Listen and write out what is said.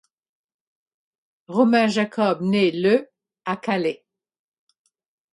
Romain Jacob nait le à Calais.